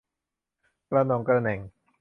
กะหน็องกะแหน็ง